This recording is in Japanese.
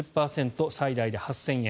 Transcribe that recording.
最大で８０００円。